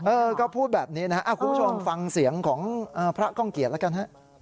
เออก็พูดแบบนี้นะครับคุณผู้ชมฟังเสียงของพระก้องเกียจแล้วกันฮะ